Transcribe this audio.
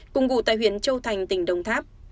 cùng gụ tại huyện châu thành tỉnh đồng tháp